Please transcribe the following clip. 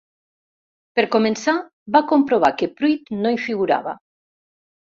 Per començar, va comprovar que Pruit no hi figurava.